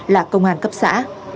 là công an cấp xã